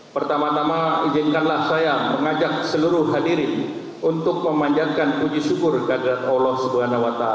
pertama tama izinkanlah saya mengajak seluruh hadirin untuk memanjatkan puji syukur kehadiran allah swt